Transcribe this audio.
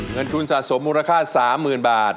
เงินทุนสะสมมูลค่า๓๐๐๐บาท